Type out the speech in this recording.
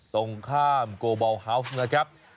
ตรงข้ามโกเบาฮาวส์นะครับ